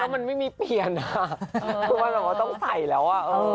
แล้วมันไม่มีเปลี่ยนคือมันต้องใส่แล้ว